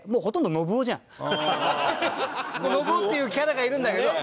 ノブオっていうキャラがいるんだけど。